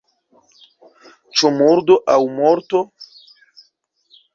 Ĉu murdo aŭ morto?